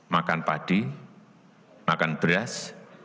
makan padi makan beras